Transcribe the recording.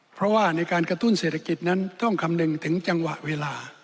เพราะว่าในการกระตุ้นเศรษฐกิจนั้นต้องคำนึงถึงจังหวะเวลา